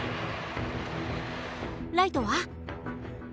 ライトは？